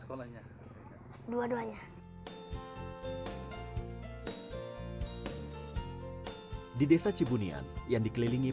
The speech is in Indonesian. kalau di serincil